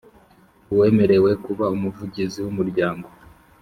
Uwemerewe kuba Umuvugizi w Umuryango